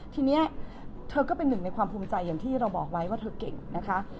ทีนี้เธอก็เป็นหนึ่งในความภูมิใจอย่างที่เราบอกไว้ว่าเธอเก่งนะคะ